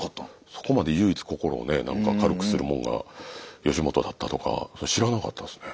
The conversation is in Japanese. そこまで唯一心をね軽くするもんが吉本だったとかそれ知らなかったですね。